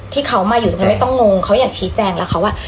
ที่เขามาอยู่ตรงนั้นไม่ต้องงงเขาอยากชี้แจงแล้วค่ะว่า